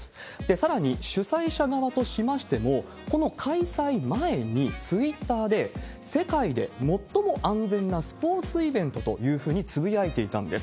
さらに、主催者側としましても、この開催前にツイッターで、世界で最も安全なスポーツイベントというふうにつぶやいていたんです。